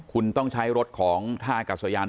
คุณต้องใช้รถของท่ากัศยาน